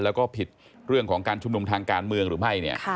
แล้วก็ผิดเรื่องของการชุมนุมทางการเมืองหรือไม่เนี่ย